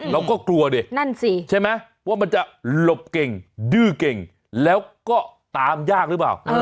เราก็กลัวดินั่นสิใช่ไหมว่ามันจะหลบเก่งดื้อเก่งแล้วก็ตามยากหรือเปล่า